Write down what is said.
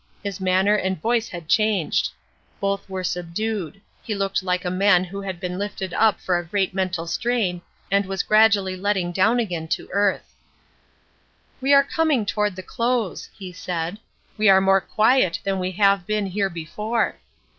His manner and voice had changed. Both were subdued; he looked like a man who had been lifted up for a great mental strain and was gradually letting down again to earth. "We are coming toward the close," he said. "We are more quiet than we have been here before.